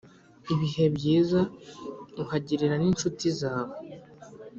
ibihe byiza uhagirira n’inshuti zawe